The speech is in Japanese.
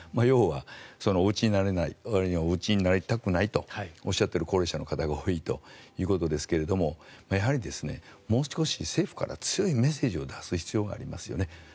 要はお打ちになれないあるいはお打ちになりたくないとおっしゃっている高齢者の方が多いということですがやはりもう少し政府から強いメッセージを出す必要がありますよね。